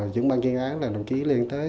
trưởng ban kiên án là đồng chí liên tế